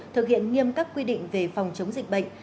thực hiện nghiêm các quy định về phòng chống dịch bệnh